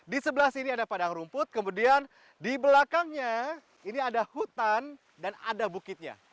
di sebelah sini ada padang rumput kemudian di belakangnya ini ada hutan dan ada bukitnya